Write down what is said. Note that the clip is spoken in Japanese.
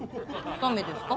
駄目ですか？